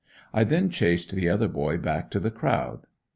I then chased the other boy back to the crowd.